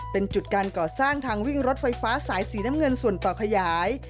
เป็นจุดการก่อสร้างทางวิ่งรถไฟฟ้าสายสีน้ำเงินส่วนต่อขยาย